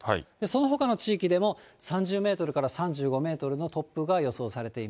そのほかの地域でも３０メートルから３５メートルの突風が予想さ